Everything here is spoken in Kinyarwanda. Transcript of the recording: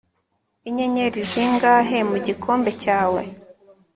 inyenyeri zingahe mu gikombe cyawe